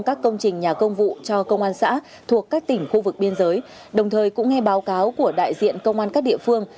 các công trình nhà công vụ cho công an xã thuộc các tỉnh khu vực biên giới đồng thời cũng nghe báo cáo của đại diện công an các địa phương